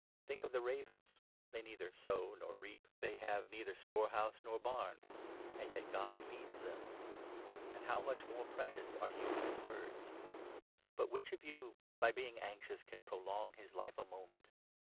Think of the ravens — they neither sow nor reap ; they have neither storehouse nor LUKE, 12. 135 barn ; and yet God feeds them ! And how much more precious are you than birds ! But which of you, by being anxious, 25 can prolong his life a moment